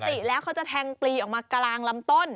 ปกติแล้วเขาจะแทงปลีออกมากลางลำต้น